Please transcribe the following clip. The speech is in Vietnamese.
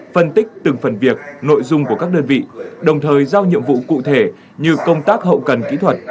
phân tích từng phần việc nội dung của các đơn vị đồng thời giao nhiệm vụ cụ thể như công tác hậu cần kỹ thuật